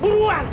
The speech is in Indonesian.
mau diam gak